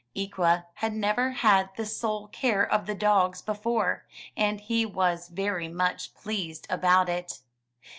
Ikwa had never had the sole care of the dogs before, and he was very much pleased about it.